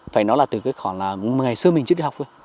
phải nói là từ khoảng ngày xưa mình chưa đi học